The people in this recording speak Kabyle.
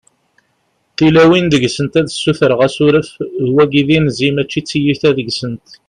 tilawin deg-sent ad ssutreɣ asuref, wagi d inzi mačči t-tiyita deg-sent